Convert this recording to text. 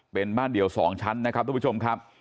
เป็นบ้านเดี่ยว๒ชั้นนะครับทุกผู้ชมครับ